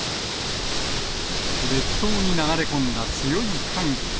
列島に流れ込んだ強い寒気。